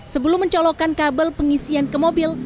sebelum mencolokkan kabel pengisian ke mobil